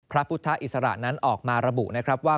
พระพุทธอิสระนั้นออกมาระบุนะครับว่า